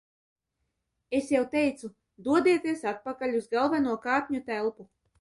Es jau teicu, dodieties atpakaļ uz galveno kāpņu telpu!